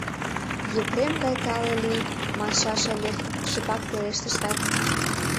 — Епрем гай тале лий, маншаш ыле, — шыпак пелештат.